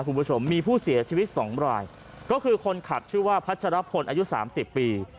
คุณผู้ชมมีผู้เสียชีวิตสองรายก็คือคนขับชื่อว่าพัชรพลอายุสามสิบปี